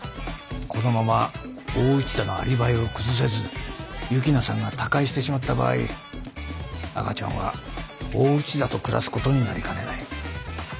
このまま大内田のアリバイを崩せず幸那さんが他界してしまった場合赤ちゃんは大内田と暮らすことになりかねない。